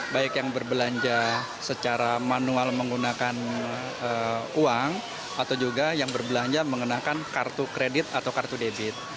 baik yang berbelanja secara manual menggunakan uang atau juga yang berbelanja mengenakan kartu kredit atau kartu debit